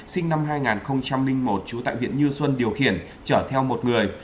sinh năm hai nghìn một trú tại huyện như xuân điều khiển chở theo một người